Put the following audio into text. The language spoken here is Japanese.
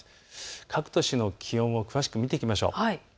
各都市の気温を詳しく見ていきましょう。